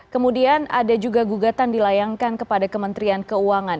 kemudian ada juga gugatan dilayangkan kepada kementerian keuangan